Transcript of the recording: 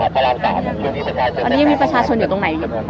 มัยได้มิดาข่าวที่อันนี้มีประชาชนอยู่ตรงไหนไห้